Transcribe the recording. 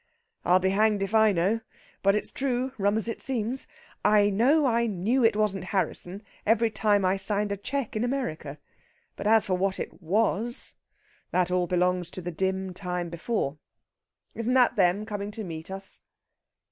"I'll be hanged if I know! But it's true, rum as it seems. I know I knew it wasn't Harrisson every time I signed a cheque in America. But as for what it was, that all belongs to the dim time before. Isn't that them coming to meet us?"